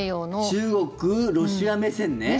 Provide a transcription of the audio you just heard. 中国、ロシア目線ね。